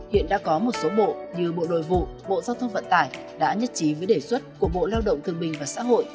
hiện đã có một số bộ như bộ đội vụ bộ giao thông vận tải đã nhất trí với đề xuất của bộ lao động thương bình và xã hội